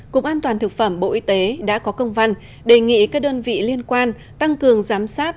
cục an toàn thực phẩm bộ y tế đã có công văn đề nghị các đơn vị liên quan tăng cường giám sát